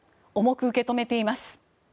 重く受け止めています。